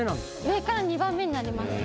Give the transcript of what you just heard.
上から２番目になります。